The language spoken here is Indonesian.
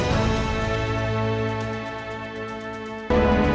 terima kasih pak hendrik